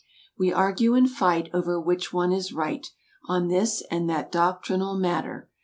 We argue and fight over which one is right On this and that doctrinal matter.